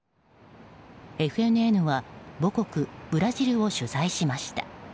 ＦＮＮは母国ブラジルを取材しました。